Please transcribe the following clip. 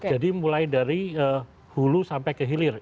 jadi mulai dari hulu sampai kehilir